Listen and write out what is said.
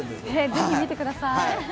ぜひ見てください。